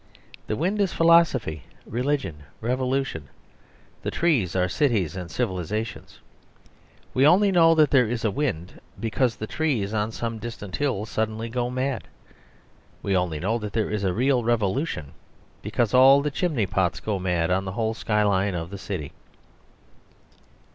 The wind is philosophy, religion, revolution; the trees are cities and civilisations. We only know that there is a wind because the trees on some distant hill suddenly go mad. We only know that there is a real revolution because all the chimney pots go mad on the whole skyline of the city.